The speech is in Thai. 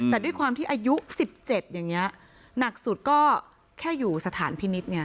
แต่ด้วยความที่อายุ๑๗อย่างนี้หนักสุดก็แค่อยู่สถานพินิษฐ์ไง